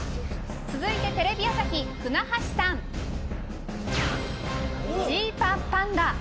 続いて、テレビ朝日、舟橋さんＧパンパンダ。